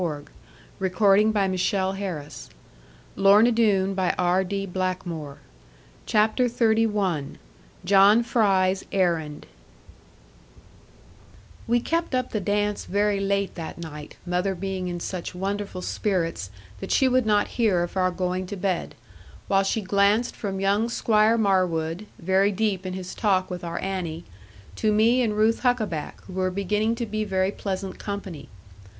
'Tush,' I said; 'could I flip about so, if I had my love with me?' CHAPTER XXXI JOHN FRY'S ERRAND We kept up the dance very late that night, mother being in such wonderful spirits, that she would not hear of our going to bed: while she glanced from young Squire Marwood, very deep in his talk with our Annie, to me and Ruth Huckaback who were beginning to be very pleasant company.